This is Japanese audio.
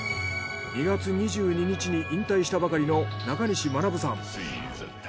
２月２２日に引退したばかりの中西学さん。